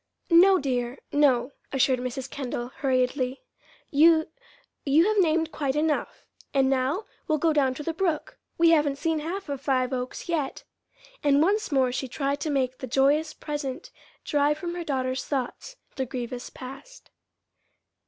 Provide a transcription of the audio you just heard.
"No, dear, no," assured Mrs. Kendall, hurriedly. "You you have named quite enough. And now we'll go down to the brook. We haven't seen half of Five Oaks yet." And once more she tried to make the joyous present drive from her daughter's thoughts the grievous past.